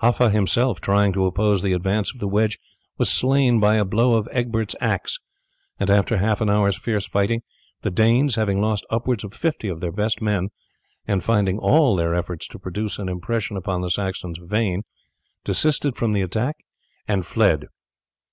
Haffa himself, trying to oppose the advance of the wedge, was slain by a blow of Egbert's axe, and after half an hour's fierce fighting, the Danes, having lost upwards of fifty of their best men, and finding all their efforts to produce an impression upon the Saxons vain, desisted from the attack and fled.